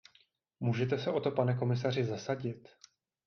Můžete se o to, pane komisaři, zasadit?